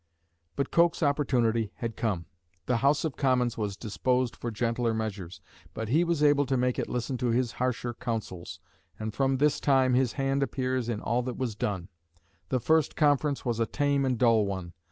But Coke's opportunity had come. The House of Commons was disposed for gentler measures. But he was able to make it listen to his harsher counsels, and from this time his hand appears in all that was done. The first conference was a tame and dull one.